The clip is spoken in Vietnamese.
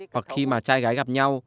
hoặc khi mà trai gái gặp nhau